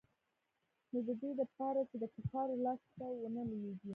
نو د دې د پاره چې د کفارو لاس ته ونه لوېږي.